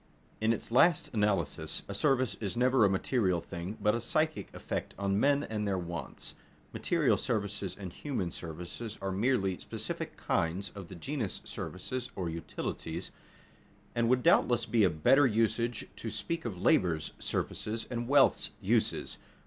In its last analysis a service is never a material thing, but a psychic effect on men and their wants. Material services and human services are merely specific kinds of the genus services (or utilities), and it would doubtless be a better usage to speak of labor's services and wealth's uses.